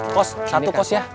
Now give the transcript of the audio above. kost satu kost ya